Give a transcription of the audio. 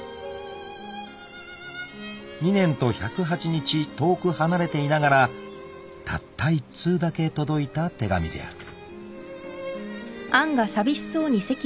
［２年と１０８日遠く離れていながらたった１通だけ届いた手紙である］